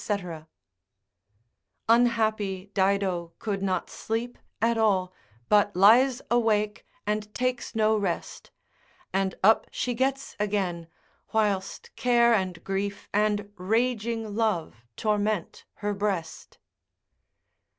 ——— Unhappy Dido could not sleep at all, But lies awake, and takes no rest: And up she gets again, whilst care and grief, And raging love torment her breast.